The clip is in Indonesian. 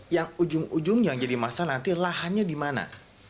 yang ujung ujung yang jadi masalah nanti lahannya di mana